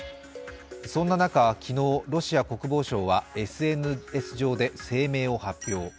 そんな中、昨日、ロシア国防省はＳＮＳ上で声明を発表。